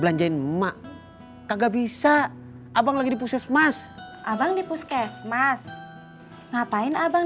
belanjain emak kagak bisa abang lagi di puskesmas abang di puskesmas ngapain abang